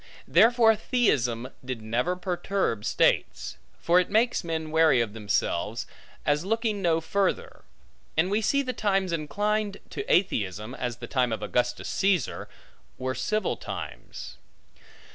Therefore atheism did never perturb states; for it makes men wary of themselves, as looking no further: and we see the times inclined to atheism (as the time of Augustus Caesar) were civil times.